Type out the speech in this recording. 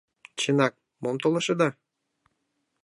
Чынак, мом толашеда?